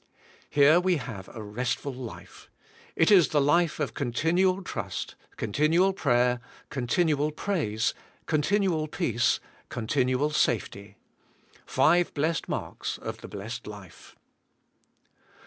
Here we have a restful life. It is the life of continual trust, continual pra^^er, continual praise, continual peace, continual safety. Five blessed marks of the blessed life.